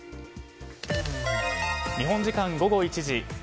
日本時間午後１時。